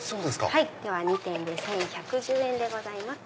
では２点で１１１０円でございます。